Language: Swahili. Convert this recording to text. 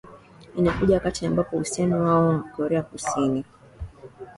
inakuja wakati ambapo uhusiano wao na korea kusini